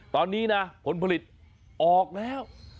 ตอนนี้นะผลผลิตออกแล้ว